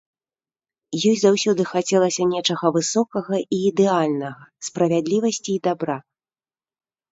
Ёй заўсёды хацелася нечага высокага і ідэальнага, справядлівасці і дабра.